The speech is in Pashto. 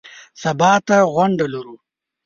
سبا ته غونډه لرو .